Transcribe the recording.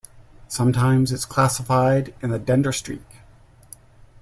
Sometimes it's classified in the Denderstreek.